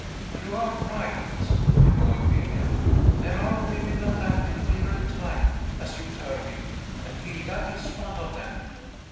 "You are right," rejoined Miriam; "there are women of that ethereal type, as you term it, and Hilda is one of them.